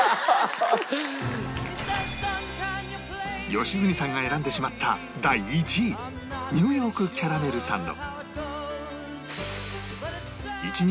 良純さんが選んでしまった第１位 Ｎ．Ｙ． キャラメルサンド